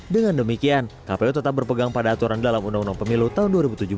dengan demikian kpu tetap berpegang pada aturan dalam undang undang pemilu tahun dua ribu tujuh belas